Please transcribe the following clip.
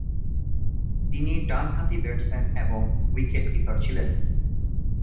তিনি ডানহাতি ব্যাটসম্যান এবং উইকেট কিপার ছিলেন।